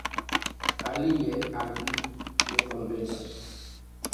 Alie al mi ne konvenas.